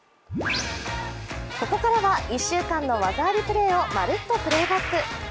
ここからは１週間の技ありプレーをまるっとプレーバック。